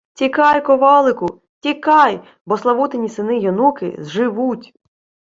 — Тікай, ковалику! Тікай, бо Славутині сини й онуки зживуть!..